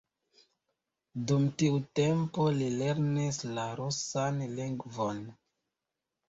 Dum tiu tempo li lernis la rusan lingvon.